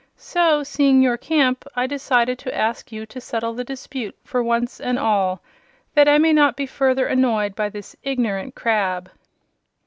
So, seeing your camp, I decided to ask you to settle the dispute for once and all, that I may not be further annoyed by this ignorant crab."